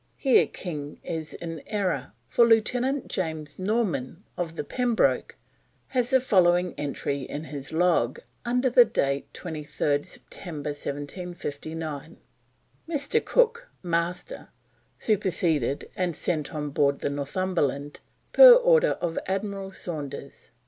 Here King is in error, for Lieutenant James Norman, of the Pembroke, has the following entry in his log under date 23rd September 1759: "Mr. Cook, Master, superseded and sent on board the Northumberland, per order of Admiral Saunders."